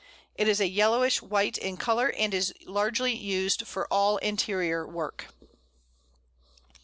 It is yellowish white in colour, and is largely used for all interior work.